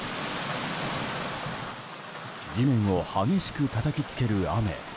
地面を激しくたたきつける雨。